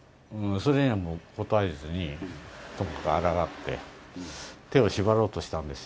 それには答えずに、あらがって、手を縛ろうとしたんですよ。